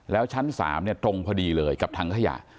แล้วชั้น๓ตรงพอดีเลยกับถังขยะ